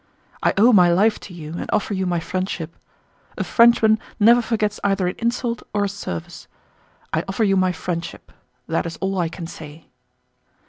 "I owe my life to you and offer you my friendship. A Frenchman never forgets either an insult or a service. I offer you my friendship. That is all I can say."